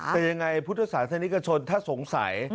แต่ยังไงพุทธศาสนิกชนถ้าสงสัย